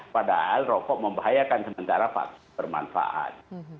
padahal rokok membahayakan sementara vaksin bermanfaat